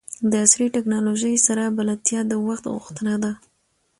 د عصري ټکنالوژۍ سره بلدتیا د وخت غوښتنه ده.